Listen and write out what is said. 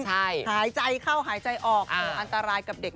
หายใจเข้าหายใจออก